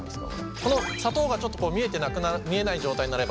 この砂糖がちょっと見えてなくなる見えない状態になれば。